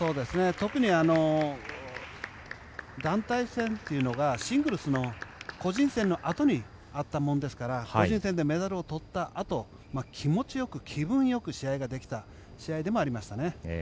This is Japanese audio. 特に団体戦というのがシングルスの個人戦のあとにあったもんですから個人戦でメダルを取ったあと気持ちよく、気分よく試合ができた試合でもありました。